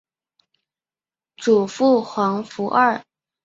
祖父黄福二。